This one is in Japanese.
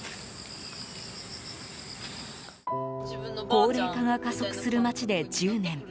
高齢化が加速する町で１０年。